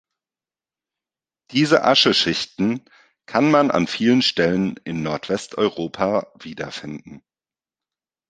Diese Ascheschichten kann man an vielen Stellen in Nordwesteuropa wiederfinden.